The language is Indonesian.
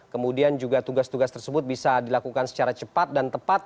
kemudian juga tugas tugas tersebut bisa dilakukan secara cepat dan tepat